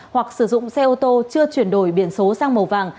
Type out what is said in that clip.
hoặc sử dụng xe ô tô chưa chuyển đổi biển số sang màu vàng